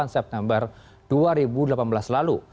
sembilan september dua ribu delapan belas lalu